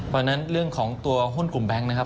เพราะฉะนั้นเรื่องของตัวหุ้นกลุ่มแบงค์นะครับ